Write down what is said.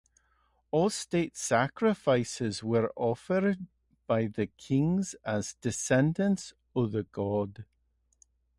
All state sacrifices were offered by the kings as descendants of the god.